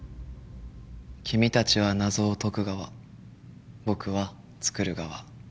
君たちは謎を解く側僕は作る側。